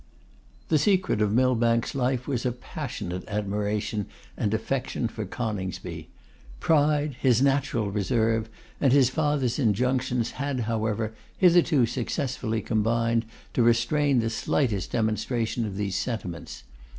The secret of Millbank's life was a passionate admiration and affection for Coningsby. Pride, his natural reserve, and his father's injunctions, had, however, hitherto successfully combined to restrain the slightest demonstration of these sentiments.